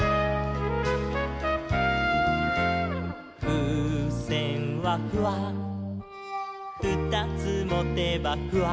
「ふうせんはフワふたつもてばフワ」